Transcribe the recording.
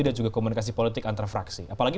dan juga komunikasi politik antara fraksi apalagi